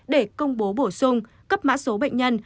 để công bố bổ sung cấp mã số bệnh nhân